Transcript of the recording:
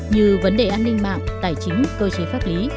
như vấn đề an ninh mạng tài chính cơ chế pháp lý